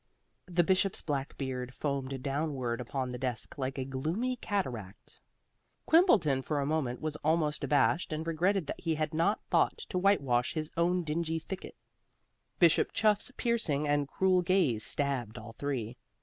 The Bishop's black beard foamed downward upon the desk like a gloomy cataract. Quimbleton for a moment was almost abashed, and regretted that he had not thought to whitewash his own dingy thicket. Bishop Chuff's piercing and cruel gaze stabbed all three.